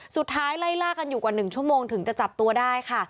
สุดท้ายไล่ล่ากันอยู่กว่า๑ชั่วโมงถึงจะจับตัวได้ค่ะ